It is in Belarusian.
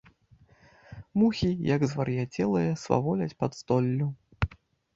Мухі, як звар'яцелыя, сваволяць пад столлю.